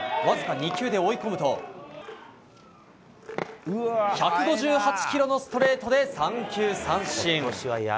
わずか２球で追い込むと１５８キロのストレートで三球三振。